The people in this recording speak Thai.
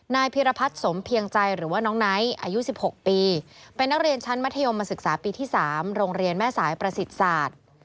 พิรพัฒน์สมเพียงใจหรือว่าน้องไนท์อายุ๑๖ปีเป็นนักเรียนชั้นมัธยมศึกษาปีที่๓โรงเรียนแม่สายประสิทธิ์ศาสตร์